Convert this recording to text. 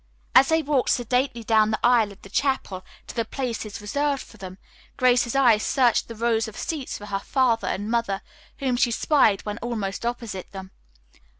As they walked sedately down the aisle of the chapel to the places reserved for them, Grace's eyes searched the rows of seats for her father and mother, whom she spied when almost opposite them.